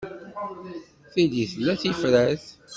Tili tella tifrat.